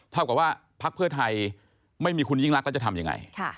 เท่ากับว่าพักเพื่อไทยไม่มีคุณยิ่งรักแล้วจะทำยังไง